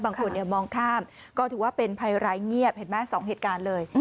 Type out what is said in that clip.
บางคนมองข้ามก็ถือว่าเป็นภัยร้ายเงียบเห็นไหม๒เหตุการณ์เลย